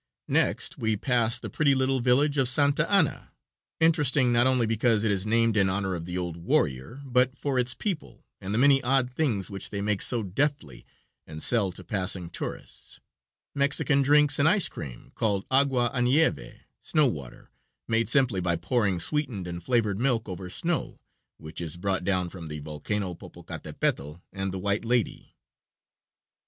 Next we pass the pretty little village of Santa Anna, interesting not only because it is named in honor of the old warrior, but for its people and the many odd things which they make so deftly and sell to passing tourists, Mexican drinks and ice cream, called agua a nieve (snow water), made simply by pouring sweetened and flavored milk over snow which is brought down from the Volcano Popocatapetl and the White Lady.